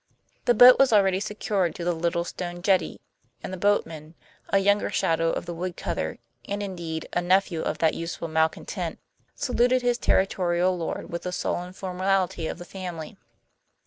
The boat was already secured to the little stone jetty, and the boatman, a younger shadow of the woodcutter and, indeed, a nephew of that useful malcontent saluted his territorial lord with the sullen formality of the family.